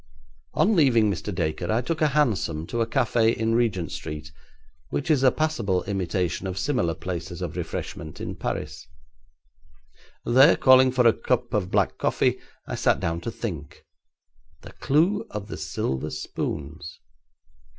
On leaving Mr. Dacre I took a hansom to a café in Regent Street, which is a passable imitation of similar places of refreshment in Paris. There, calling for a cup of black coffee, I sat down to think. The clue of the silver spoons!